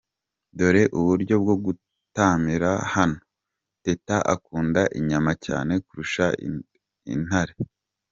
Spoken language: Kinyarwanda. Dore uburyo bwo gutamira hano!!! Tete akunda inyama cyane kurusha intare! .